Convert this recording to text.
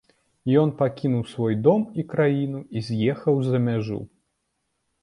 Ён пакінуў свой дом і краіну і з'ехаў за мяжу.